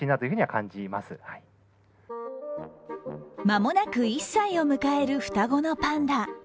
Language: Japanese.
間もなく１歳を迎える双子のパンダ。